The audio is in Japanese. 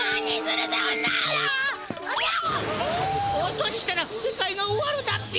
落としたら世界が終わるダッピ！